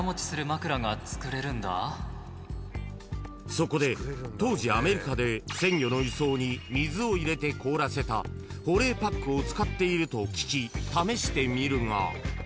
［そこで当時アメリカで鮮魚の輸送に水を入れて凍らせた保冷パックを使っていると聞き試してみるが］